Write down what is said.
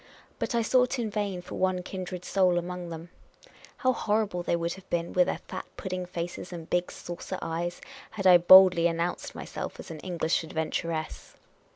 But I sought in vain foi one kindred soul among them. How horrified they would have been, with their fat pudding faces and big saucer eyes, had I boldly announced myself as an English adventuress